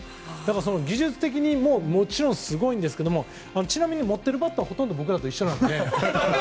その技術的にももちろんすごいんですがちなみに持っているバットはほとんど僕らと一緒なので。